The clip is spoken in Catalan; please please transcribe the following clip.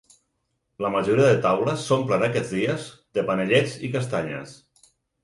La majoria de taules s’omplen aquests dies de panellets i castanyes.